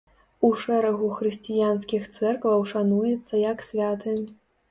У шэрагу хрысціянскіх цэркваў шануецца як святы.